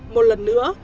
một lần nữa